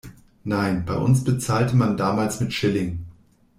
Nein, bei uns bezahlte man damals mit Schilling.